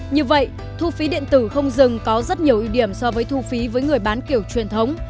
như vậy thu phí điện tử không dừng có rất nhiều ưu điểm so với thu phí với người bán kiểu truyền thống